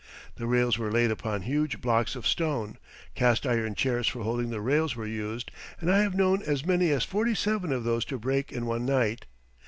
The rails were laid upon huge blocks of stone, cast iron chairs for holding the rails were used, and I have known as many as forty seven of these to break in one night.